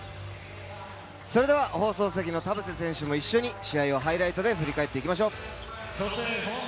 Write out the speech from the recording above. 放送席の田臥選手も一緒に試合をハイライトで振り返っていきましょう。